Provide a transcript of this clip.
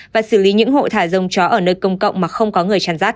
và xử lý những hộ thả dông chó ở nơi công cộng mà không có người chăn rát